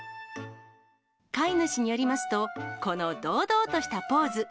飼い主によりますと、この堂々としたポーズ。